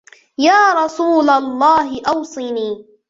يَا رَسُولَ اللَّهِ أَوْصِنِي